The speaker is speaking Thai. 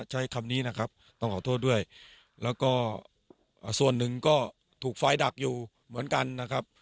ใช้คำนี้นะครับต้องขอโทษด้วยแล้วก็ส่วนหนึ่งก็ถูกไฟดักอยู่เหมือนกันนะครับ